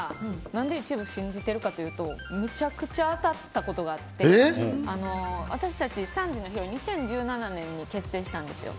何で一部信じてるかというとむちゃくちゃ当たったことがあって私たち、３時のヒロイン２０１７年に結成したんですよ。